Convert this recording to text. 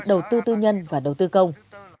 đầu tư tư nhân và đầu tư công